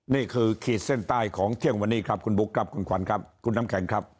ขีดเส้นใต้ของเที่ยงวันนี้ครับคุณบุ๊คครับคุณขวัญครับคุณน้ำแข็งครับ